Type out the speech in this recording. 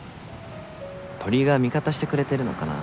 鳥が味方してくれてるのかな？